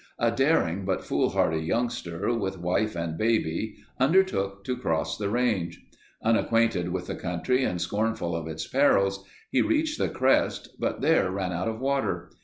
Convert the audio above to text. A daring, but foolhardy youngster, with wife and baby, undertook to cross the range. Unacquainted with the country and scornful of its perils, he reached the crest, but there ran out of water.